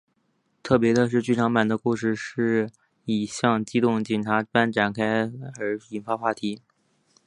特别的是剧场版的故事是以像机动警察般展开而引发话题。